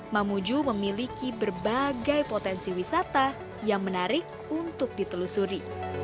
mamuju memiliki berbagai potensi wisata yang menarik untuk ditelusuri